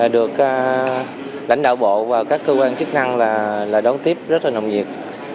được lãnh đạo bộ và các cơ quan chức năng đón tiếp rất là nồng nhiệt